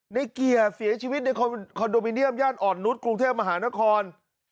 ในเกียร์เสียชีวิตในคอนโดมิเนียมย่านอ่อนนุษย์กรุงเทพมหานคร